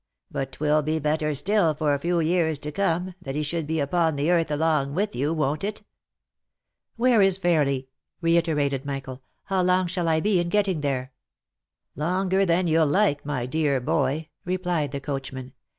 But 'twill be better still, for a few years to come, that he should be upon the earth along with you, won't it ?"" Where is Fairly?" reiterated Michael. " How long shall I be in getting there?" " Longer than you'll like, my dear boy," replied the coachman.